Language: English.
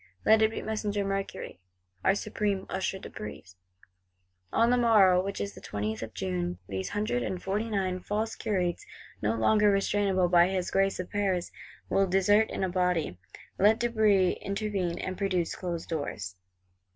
Let it be Messenger Mercury, our Supreme Usher de Brézé. On the morrow, which is the 20th of June, these Hundred and Forty nine false Curates, no longer restrainable by his Grace of Paris, will desert in a body: let De Brézé intervene, and produce—closed doors!